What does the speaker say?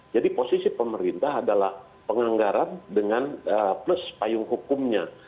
jadi posisi pemerintah adalah penganggaran plus payung hukumnya